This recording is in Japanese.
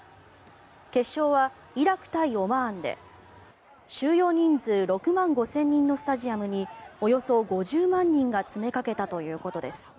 決勝はイラク対オマーンで収容人数６万５０００人のスタジアムにおよそ５０万人が詰めかけたということです。